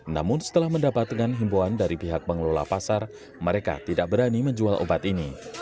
namun setelah mendapatkan himbuan dari pihak pengelola pasar mereka tidak berani menjual obat ini